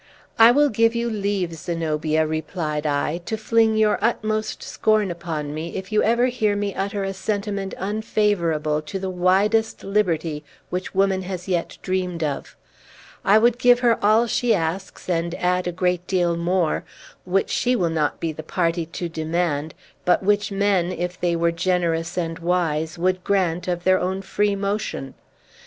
"I will give you leave, Zenobia," replied I, "to fling your utmost scorn upon me, if you ever hear me utter a sentiment unfavorable to the widest liberty which woman has yet dreamed of. I would give her all she asks, and add a great deal more, which she will not be the party to demand, but which men, if they were generous and wise, would grant of their own free motion.